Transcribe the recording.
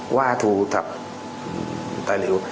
qua thu thập tài liệu